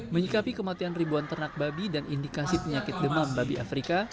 menyikapi kematian ribuan ternak babi dan indikasi penyakit demam babi afrika